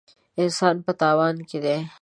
انسان په تاوان کې دی.